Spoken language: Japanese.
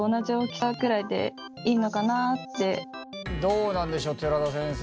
なのでどうなんでしょう寺田先生